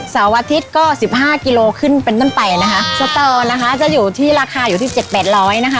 เสาร์อาทิตย์ก็สิบห้ากิโลขึ้นเป็นต้นไปนะคะสตอนะคะจะอยู่ที่ราคาอยู่ที่เจ็ดแปดร้อยนะคะ